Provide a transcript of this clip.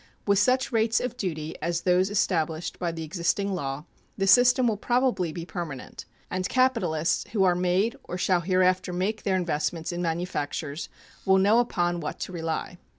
With such rates of duty as those established by the existing law the system will probably be permanent, and capitalists who are made or shall hereafter make their investments in manufactures will know upon what to rely.